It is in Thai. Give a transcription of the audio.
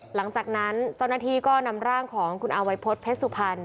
หลังจากนั้นตอนนี้ก็นำร่างของคุณอาวัยพฤษภัณฑ์